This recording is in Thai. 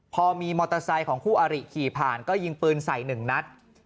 พอมีมอเตอร์ไซค์ของคู่อาริขี่ผ่านก็ยิงปืนใส่หนึ่งนัด